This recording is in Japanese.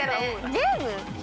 ゲーム？